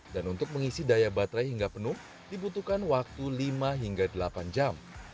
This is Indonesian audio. dan untuk mengisi daya baterai hingga penuh dibutuhkan waktu lima hingga delapan jam